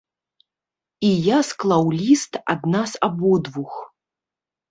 І я склаў ліст ад нас абодвух.